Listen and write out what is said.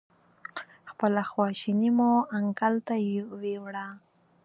خپله خواشیني مو انکل ته ویوړه.